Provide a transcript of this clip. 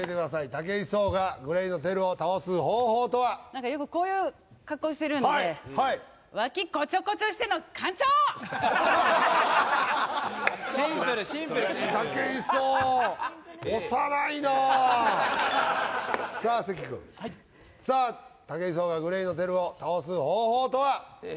武井壮がＧＬＡＹのＴＥＲＵを倒す方法とは何かよくこういう格好をしてるんでシンプルシンプルさあ関くんさあ武井壮がＧＬＡＹのＴＥＲＵを倒す方法とはええ